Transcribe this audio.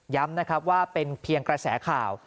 นะครับว่าเป็นเพียงกระแสข่าว